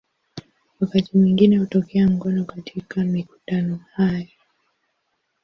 Wakati mwingine hutokea ngono katika mikutano haya.